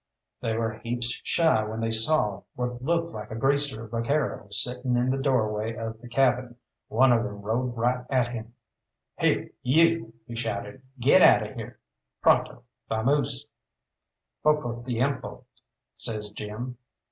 They were heaps shy when they saw what looked like a greaser vaquero sitting in the doorway of the cabin. One of them rode right at him. "Here, you," he shouted. "Git out 'er here pronto! Vamoose!" "Poco tiempo," says Jim.